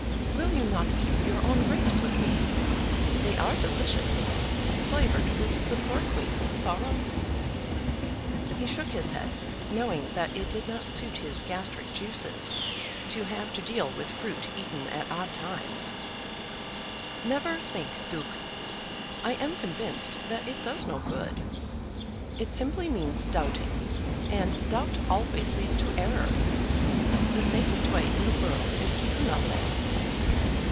"Will you not eat your own grapes with me? They are delicious; flavoured with the poor queen's sorrows." He shook his head, knowing that it did not suit his gastric juices to have to deal with fruit eaten at odd times. "Never think, Duke. I am convinced that it does no good. It simply means doubting, and doubt always leads to error. The safest way in the world is to do nothing."